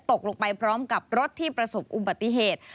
ตกลงไปพร้อมกับรถที่ประสบอุบัติเหตุ